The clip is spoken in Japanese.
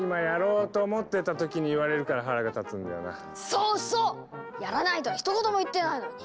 そうそう！やらないとはひと言も言ってないのに。